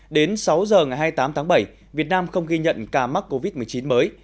đến sáu giờ ngày hai mươi tám tháng bảy việt nam không ghi nhận ca mắc covid một mươi chín mới